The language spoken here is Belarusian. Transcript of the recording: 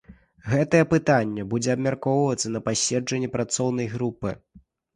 Гэтае пытанне будзе абмяркоўвацца на паседжанні працоўнай групы.